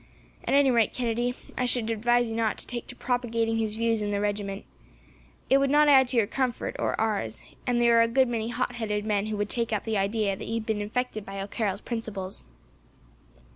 At any rate, Kennedy, I should advise you not to take to propagating his views in the regiment. It would not add to your comfort, or ours, and there are a good many hot headed men who would take up the idea that you had been infected by O'Carroll's principles."